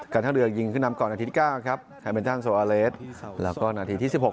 การเท้าเรือยิงขึ้นนำก่อนนาทีที่เก้าครับไฮเมนทั่งโซอเลสแล้วก็นาทีที่สิบหก